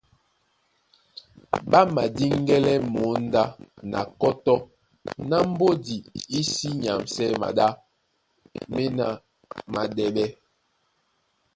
Ɓá madíŋgɛ́lɛ̀ mǒndá na kɔ́tɔ́ ná mbódi í sí nyǎmsɛ́ maɗá méná máɗɛ́ɓɛ́.